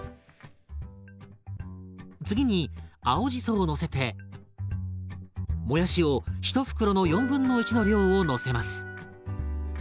次に青じそをのせてもやしを１袋の1/4の量をのせます。